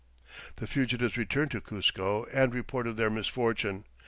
The fugitives returned to Cuzco and reported their misfortune.